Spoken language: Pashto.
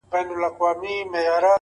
د دوزخیانو لیست کي ټولو نه اول زه یم!